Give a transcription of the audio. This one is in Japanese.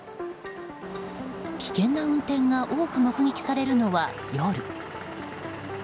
危険な運転が多く目撃されるのは夜。